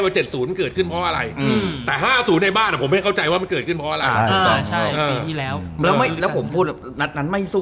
แต่ไม่ได้จริงหรอ